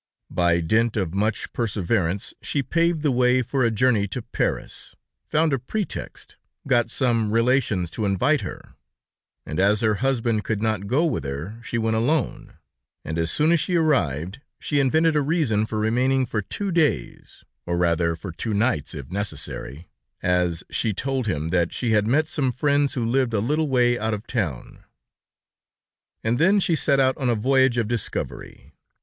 By dint of much perseverance, she paved the way for a journey to Paris, found a pretext, got some relations to invite her, and as her husband could not go with her, she went alone, and as soon as she arrived, she invented a reason for remaining for two days, or rather for two nights, if necessary, as she told him that she had met some friends who lived a little way out of town. And then she set out on a voyage of discovery.